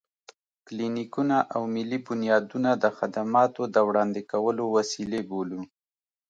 کلينيکونه او ملي بنيادونه د خدماتو د وړاندې کولو وسيلې بولو.